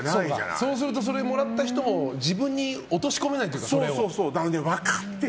そうすると、それもらった人が自分に落とし込めないか。分かってる。